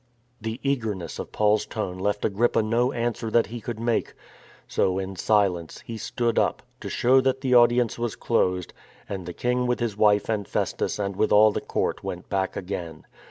The eagerness of Paul's tone left Agrippa no answer that he could make; so, in silence, he stood up — to show that the audience was closed — and the king with his wife and Festus and with all the Court went back again.